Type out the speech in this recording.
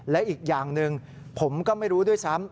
และอีกอย่างหนึ่งผมก็ไม่รู้ด้วยซ้ำ